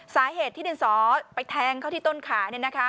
สาเหตุที่ดินสอไปแทงเขาที่ต้นขาเนี่ยนะคะ